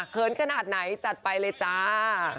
ขนาดไหนจัดไปเลยจ้า